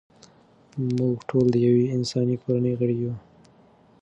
موږ ټول د یوې انساني کورنۍ غړي یو.